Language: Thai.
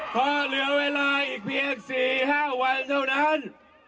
พอเหลือเวลาอีกเพียง๔๕วันเท่านั้น